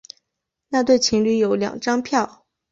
那对情侣有两张票